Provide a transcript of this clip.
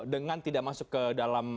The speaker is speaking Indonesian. dengan tidak masuk ke dalam